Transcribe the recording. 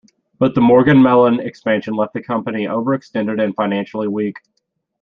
But the Morgan-Mellen expansion left the company overextended and financially weak.